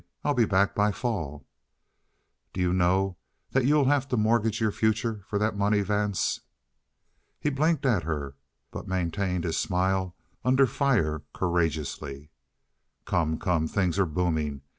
I'll be back by fall." "Do you know that you'll have to mortgage your future for that money, Vance?" He blinked at her, but maintained his smile under fire courageously. "Come, come! Things are booming.